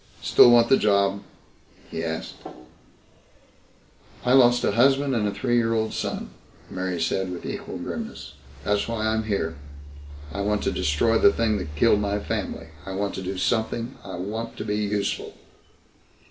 "Still want the job?" he asked. "I lost a husband and a three year old son," Mary said with equal grimness. "That's why I'm here. I want to destroy the thing that killed my family. I want to do something. I want to be useful."